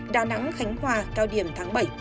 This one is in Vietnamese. đà nẵng khánh hòa cao điểm tháng bảy